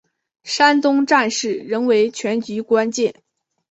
山东战事仍为全局关键。